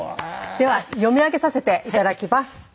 では読み上げさせて頂きます。